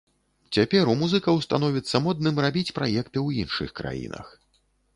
Цяпер у музыкаў становіцца модным рабіць праекты ў іншых краінах.